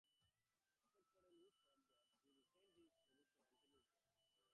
Except for a few short gaps, he retained this position until his death.